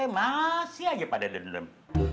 masih aja pada dengar